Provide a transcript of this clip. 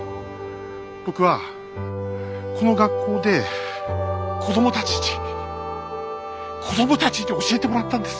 僕はこの学校で子供たちに子供たちに教えてもらったんです。